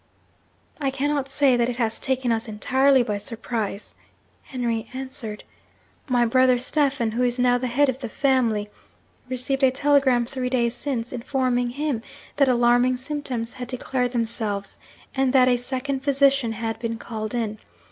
'I cannot say that it has taken us entirely by surprise,' Henry answered. 'My brother Stephen (who is now the head of the family) received a telegram three days since, informing him that alarming symptoms had declared themselves, and that a second physician had been called in.